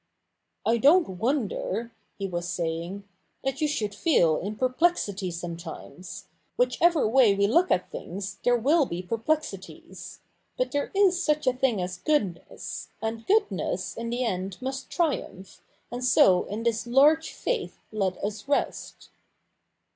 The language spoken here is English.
' I don't wonder,' he was saying, ' that you should feel in perplexity sometimes ; whichever way we look at things there will be perplexities. But there is such a thing as goodness ; and goodness in the end must triumph, and so in this large faith let us rest.'